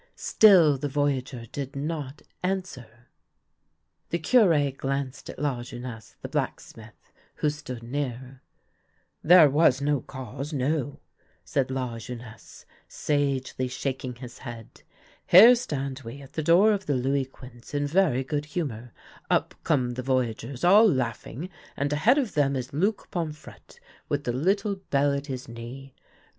Still the voyageur did not answer. The Cure glanced at Lajeunesse the blacksmith, who stood near. " There was no cause — no," said Lajeunesse, sagely THE LITTLE BELL OF HONOUR 103 shaking his head. " Here stand we at the door of the Louis Ouinze in very good humour. Up come the voyageurs, all laughing, and ahead of them is Luc Pomfrctte, with the little bell at his knee.